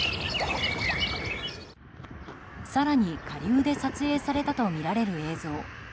更に下流で撮影されたとみられる映像。